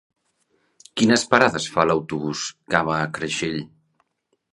Quines parades fa l'autobús que va a Creixell?